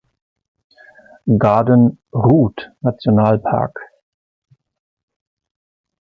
Garden Route-Nationalpark